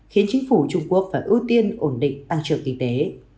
khiến chính phủ trung quốc phải ưu tiên ổn định tăng trưởng kinh tế